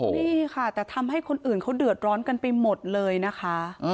นี่ค่ะแต่ทำให้คนอื่นเขาเดือดร้อนกันไปหมดเลยนะคะ